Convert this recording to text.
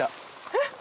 えっ？